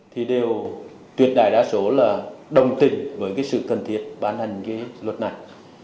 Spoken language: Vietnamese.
thì đều tuyệt đại đa số là đồng tình với cái sự cần thiết ban hành cái luật này